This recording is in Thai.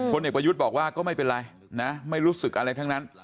เด็กประยุทธ์บอกว่าก็ไม่เป็นไรนะไม่รู้สึกอะไรทั้งนั้น